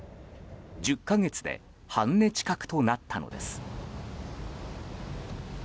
１０か月で半値近くとなったのです。